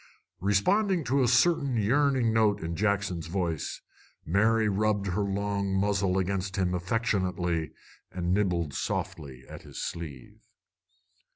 Responding to a certain yearning note in Jackson's voice, Mary rubbed her long muzzle against him affectionately and nibbled softly at his sleeve.